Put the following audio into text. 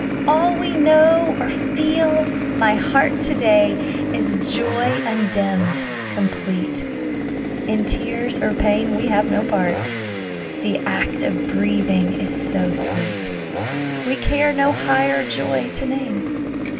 all we know, or feel, my heart, To day is joy undimmed, complete; In tears or pain we have no part; The act of breathing is so sweet, We care no higher joy to name.